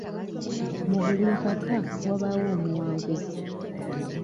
Mu buli mpaka wabaawo omuwanguzi.